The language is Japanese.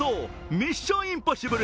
「ミッション：インポッシブル」